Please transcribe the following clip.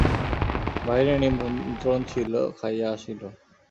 বাহিরে নিমন্ত্রণ ছিল, খাইয়া আসিল।